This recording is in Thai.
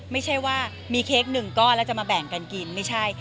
ไม่ใช่ว่ามีเค้กหนึ่งก้อนแล้วจะมาแบ่งกันกินไม่ใช่